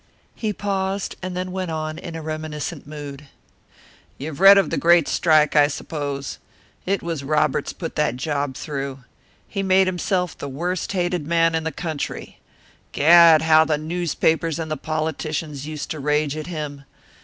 He paused, and then went on, in a reminiscent mood, "You've read of the great strike, I suppose? It was Roberts put that job through. He made himself the worst hated man in the country Gad! how the newspapers and the politicians used to rage at him!